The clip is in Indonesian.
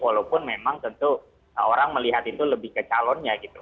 walaupun memang tentu orang melihat itu lebih ke calonnya gitu